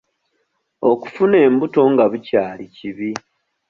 Okufuna embuto nga bukyali kibi.